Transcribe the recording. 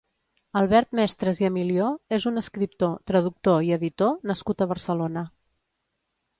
Albert Mestres i Emilió és un escriptor, traductor i editor nascut a Barcelona.